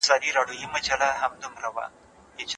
په کلي کې خلک یو بل سره په کارونو کې مرسته کوي.